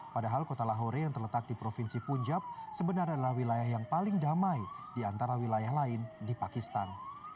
padahal kota lahore yang terletak di provinsi punjab sebenarnya adalah wilayah yang paling damai di antara wilayah lain di pakistan